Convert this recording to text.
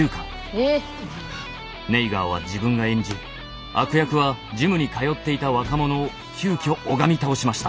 えっ⁉ネイガーは自分が演じ悪役はジムに通っていた若者を急きょ拝み倒しました。